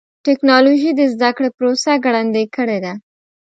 ټکنالوجي د زدهکړې پروسه ګړندۍ کړې ده.